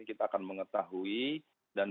kita akan mengetahui dan